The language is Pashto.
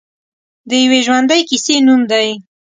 د یوې ژوندۍ کیسې نوم دی.